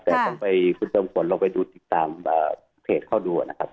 แต่ต้องไปคุณจอมขวัญลองไปดูติดตามเพจเขาดูนะครับ